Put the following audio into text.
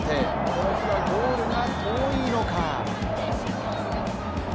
この日はゴールが遠いのか。